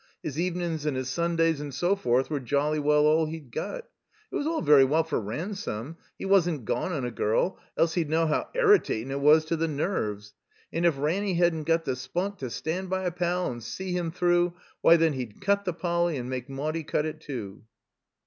His evenin's and his Simdays and so forth were jolly well all he'd got. It was all very well for Ransome, he wasn't gone on a girl, else he'd know how erritatin' it was to the nerves. And if Ranny hadn't got the spunk to stand by a pal and see him through, why, then he'd cut the Poly, and make Maudie cut it too.